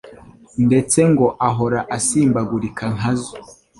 ndetse ngo ahora asimbagurika nkazo.